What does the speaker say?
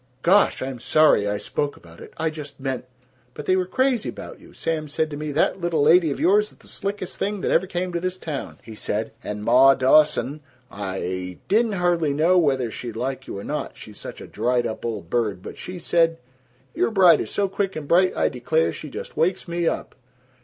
"Gosh; I'm sorry I spoke about it. I just meant But they were crazy about you. Sam said to me, 'That little lady of yours is the slickest thing that ever came to this town,' he said; and Ma Dawson I didn't hardly know whether she'd like you or not, she's such a dried up old bird, but she said, 'Your bride is so quick and bright, I declare, she just wakes me up.'"